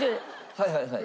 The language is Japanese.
はいはいはい。